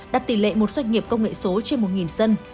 đạt tỷ lệ một doanh nghiệp công nghệ số trên một dân